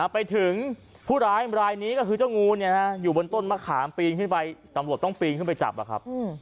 ไปถึงภูรายนี้ก็คือเจ้างูที่อยู่บนต้นมะขามตำรวจต้องปีงไปนำเนี่ยครับ